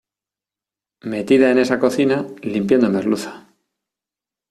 metida en esa cocina, limpiando merluza.